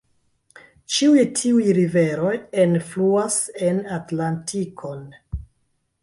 Ĉiuj tiuj riveroj enfluas en Atlantikon.